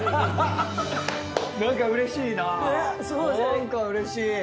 何かうれしいな。